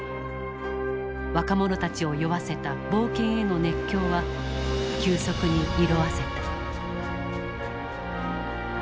若者たちを酔わせた冒険への熱狂は急速に色あせた。